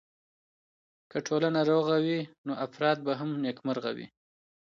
که ټولنه روغه وي نو افراد به هم نېکمرغه وي.